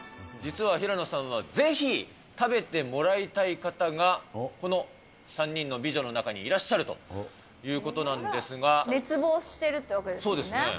実は平野さんは、ぜひ食べてもらいたい方がこの３人の美女の中にいらっしゃるとい熱望してるというわけですよ